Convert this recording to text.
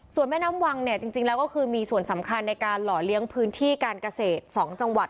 ส่วนแม่น้ำวังเนี่ยจริงแล้วก็คือมีส่วนสำคัญในการหล่อเลี้ยงพื้นที่การเกษตร๒จังหวัด